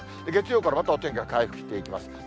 月曜からまたお天気が回復していきます。